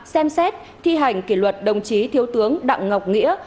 xem xét thi hành kỷ luật đồng chí thiếu tướng đặng ngọc nghĩa